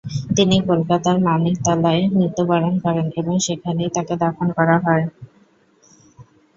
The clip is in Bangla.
তিনি কলকাতার মানিকতলায় মৃত্যুবরণ করেন এবং সেখানেই তাকে দাফন করা হয়।